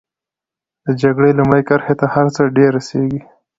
د جګړې لومړۍ کرښې ته هر څه ډېر رسېږي.